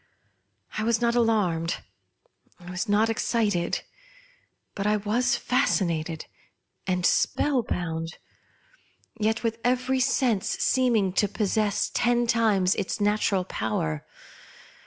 Fwas not alarmed, I was not excited ; but I was fascinated and spell bound ; yet with every sense seeming to possess ten times its natural power.